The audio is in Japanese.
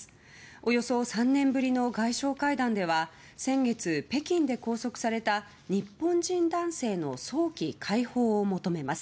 およそ３年ぶりの外相会談では先月、北京で拘束された日本人男性の早期解放を求めます。